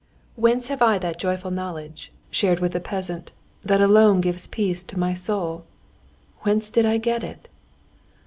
"Whence have I that joyful knowledge, shared with the peasant, that alone gives peace to my soul? Whence did I get it?